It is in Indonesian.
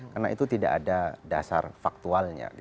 karena itu tidak ada dasar faktualnya